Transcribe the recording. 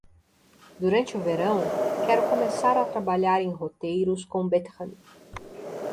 Durante o verão, quero começar a trabalhar em roteiros com Bethan.